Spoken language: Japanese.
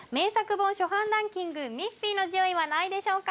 本初版ランキングミッフィーの順位は何位でしょうか？